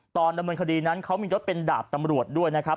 ตอนดำเนินคดีนั้นเขามียศเป็นดาบตำรวจด้วยนะครับ